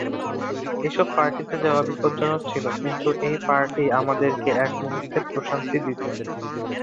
এসব পার্টিতে যাওয়া বিপদজনক ছিল, কিন্তু এই পার্টিই আমাদেরকে এক মুহূর্তের প্রশান্তি দিত।